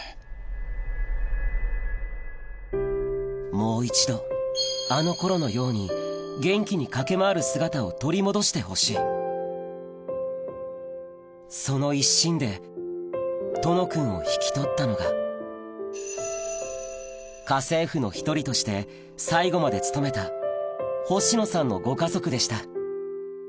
もう一度あの頃のように元気に駆け回る姿を取り戻してほしいその一心で殿くんを引き取ったのが家政婦の１人として最後まで勤めた星野さんのご家族でした